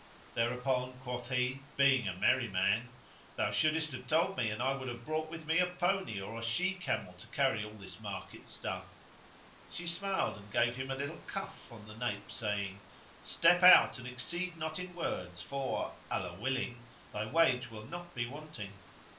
Thereupon quoth he (being a merry man), "Thou shouldest have told me, and I would have brought with me a pony or a she camel to carry all this market stuff." She smiled and gave him a little cuff on the nape saying, "Step out and exceed not in words for (Allah willing!) thy wage will not be wanting."